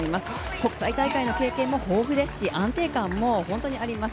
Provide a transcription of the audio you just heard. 国際大会の経験も豊富ですし、安定感も本当にあります。